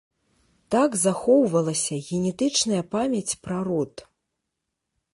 Так захоўвалася генетычная памяць пра род.